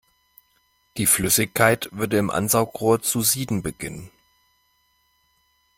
Die Flüssigkeit würde im Ansaugrohr zu sieden beginnen.